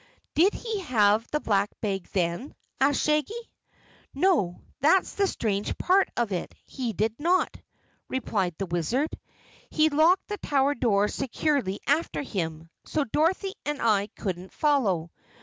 "Did he have the Black Bag then?" asked Shaggy. "No, that's the strange part of it, he did not," replied the Wizard. "He locked the tower door securely after him, so Dorothy and I couldn't follow.